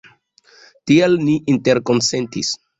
Tiel ni interkonsentis.